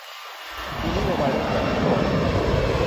มีนโยบายเร่งด่วนในข้อ